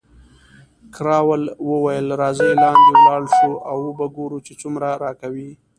کراول وویل، راځئ لاندې ولاړ شو او وو به ګورو چې څومره راکوي.